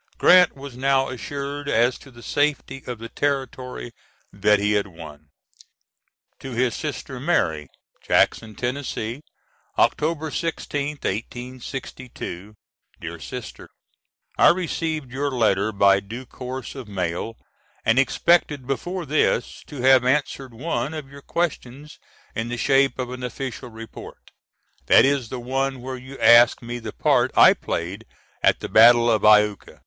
Grant was now assured as to the safety of the territory that he had won. To his sister Mary.] Jackson, Tenn., October 16th, 1862. DEAR SISTER: I received your letter by due course of mail and expected before this to have answered one of your questions in the shape of an official report; that is the one where you ask me the part I played at the battle of Iuka.